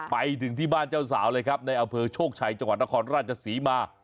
ไปถึงที่บ้านเจ้าสาวเลยครับในอำเภอโชคชัยจังหวัดนครราชศรีมา